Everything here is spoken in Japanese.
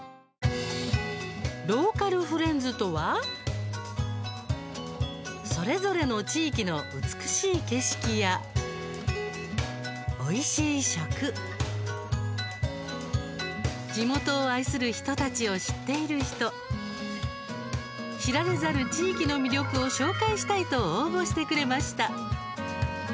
ローカルフレンズとはそれぞれの地域の美しい景色やおいしい食地元を愛する人たちを知っている人知られざる地域の魅力を紹介したいと応募してくれました。